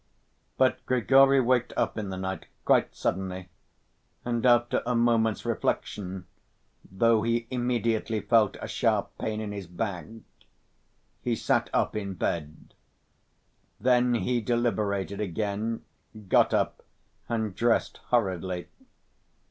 But Grigory waked up in the night, quite suddenly, and, after a moment's reflection, though he immediately felt a sharp pain in his back, he sat up in bed. Then he deliberated again, got up and dressed hurriedly.